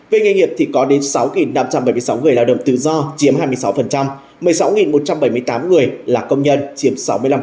về nghề nghiệp thì có đến sáu năm trăm bảy mươi sáu người lao động tự do chiếm hai mươi sáu một mươi sáu một trăm bảy mươi tám người là công nhân chiếm sáu mươi năm